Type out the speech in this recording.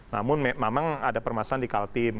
namun memang ada permasalahan di kaltim